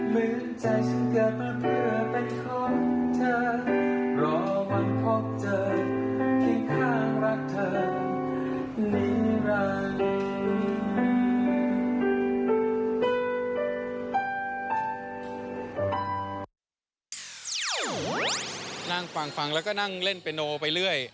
มือใจฉันเกิดมาเพื่อเป็นของเธอ